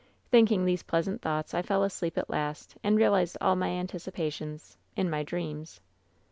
"Thinking these pleasant thoughts I fell asleep at last and realized all my anticipations — in my dreams